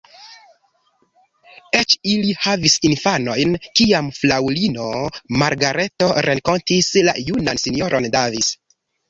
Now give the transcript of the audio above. Eĉ ili havis infanojn, kiam fraŭlino Margareto renkontis la junan S-ron Davis.